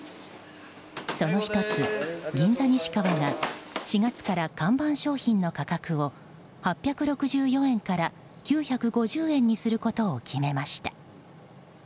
その１つ、銀座に志かわが４月から看板商品の価格を８６４円から９５０円にすることを決めました。